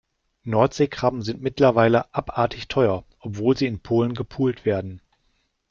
Nordseekrabben sind mittlerweile abartig teuer, obwohl sie in Polen gepult werden.